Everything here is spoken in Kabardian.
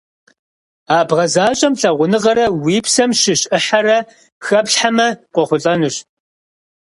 А бгъэзащӀэм лъагъуныгъэрэ уи псэм щыщ Ӏыхьэрэ хэплъхьэмэ, къохъулӀэнущ.